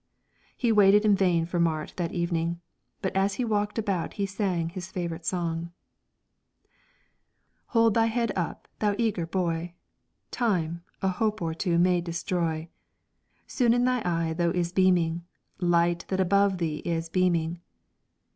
He waited in vain for Marit that evening, but as he walked about he sang his favorite song: "Hold thy head up, thou eager boy! Time a hope or two may destroy, Soon in thy eye though is beaming, Light that above thee is beaming!